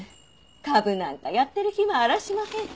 株なんかやってる暇あらしまへん。